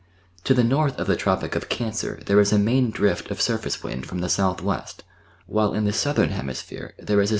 To the north of the Tropic of Cancer there is a main drift of surface wind from the S.\Y., while in the Southern Hemisphere there is a